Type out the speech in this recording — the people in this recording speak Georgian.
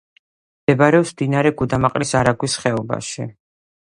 მდებარეობს მდინარე გუდამაყრის არაგვის ხეობაში.